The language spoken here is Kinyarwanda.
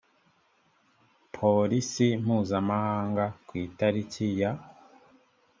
polisi mpuzamahanga ku italiki ya